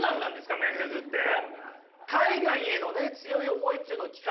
面接って？